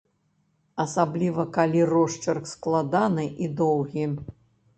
Асабліва калі росчырк складаны і доўгі.